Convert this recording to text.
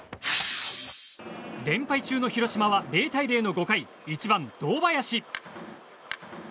連敗中の広島は０対０の５回１番、堂林。